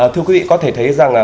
thưa quý vị có thể thấy rằng